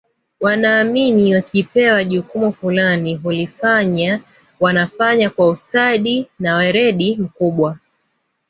wanaamini wakipewa jukumu fulani kulifanya wanafanya kwa ustadi na weredi mkubwa